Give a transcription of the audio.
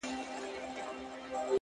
ښه دی چي ونه درېد ښه دی چي روان ښه دی _